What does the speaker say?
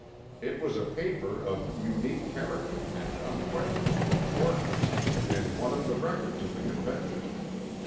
It was a paper of unique character and unquestionable importance and one of the records of the Convention.